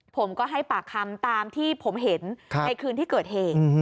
ผมก็ให้ปากคำตามที่ผมเห็นในคืนที่เกิดเหตุ